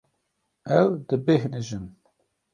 Ew dibêhnijin.